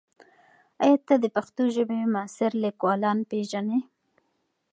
ایا ته د پښتو ژبې معاصر لیکوالان پېژنې؟